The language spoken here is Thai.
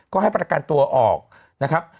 ก็ให้ประกันตัวออกนะครับ